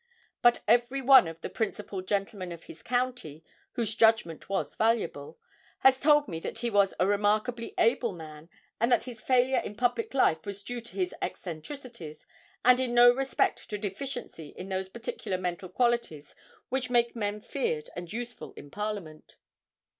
But every one of the principal gentlemen of his county, whose judgment was valuable, has told me that he was a remarkably able man, and that his failure in public life was due to his eccentricities, and in no respect to deficiency in those peculiar mental qualities which make men feared and useful in Parliament.